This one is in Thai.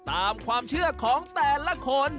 ตามความเชื่อของแต่ละคน